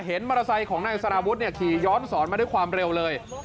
มอเตอร์ไซค์ของนายสารวุฒิขี่ย้อนสอนมาด้วยความเร็วเลย